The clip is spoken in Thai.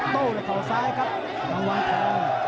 โต้เลยเขาซ้ายครับกะวางทอง